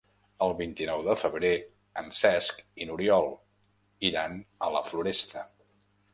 El vint-i-nou de febrer en Cesc i n'Oriol iran a la Floresta.